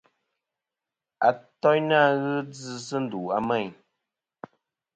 Atoynɨ fhɨ djɨ sɨ ndu a Meyn.